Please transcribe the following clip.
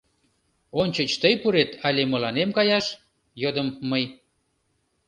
— Ончыч тый пурет але мыланем каяш? — йодым мый.